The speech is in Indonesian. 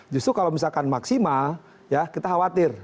justru kalau misalkan maksimal ya kita khawatir